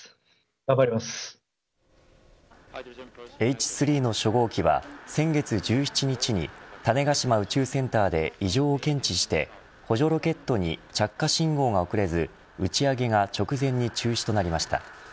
Ｈ３の初号機は先月１７日に種子島宇宙センターで異常を検知して補助ロケットに着火信号が送れず打ち上げが直前に中止となりました。